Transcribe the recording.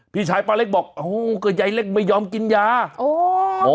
พี่ชายป้าเล็กบอกโอ้ก็ยายเล็กไม่ยอมกินยาโอ้